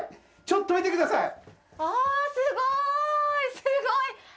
ちょっと見てください！